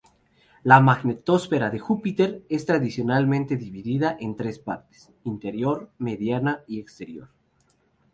La magnetosfera de Júpiter es tradicionalmente dividida en tres partes: interior, mediana y exterior.